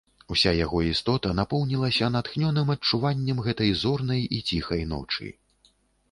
Уся яго істота напоўнілася натхнёным адчуваннем гэтай зорнай і ціхай ночы.